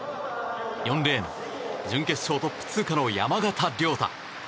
４レーン、準決勝トップ通過の山縣亮太。